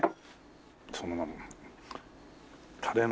そのまんま。